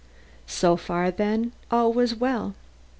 So far then, all was well.